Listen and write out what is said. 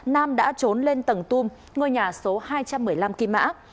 nam đã trốn lên tầng tum ngôi nhà số hai trăm một mươi năm kim mã